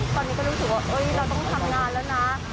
ตอนนี้ก็รู้สึกว่าเราต้องทำงานแล้วนะ